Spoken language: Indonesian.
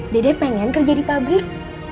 dede pengen kerja di pabrik